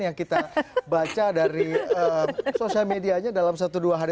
yang kita baca dari sosial medianya dalam satu dua hari